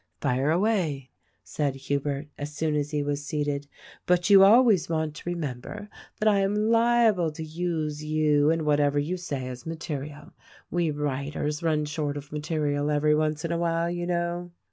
"Fire away!" said Hubert, as soon as he was seated; "but you always want to remember that I am liable to use you and whatever you say as material. We writers run short of material every once in a while, you know."